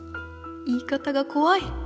言い方がこわい！